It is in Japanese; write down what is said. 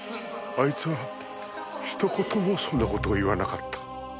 あいつは一言もそんな事を言わなかった。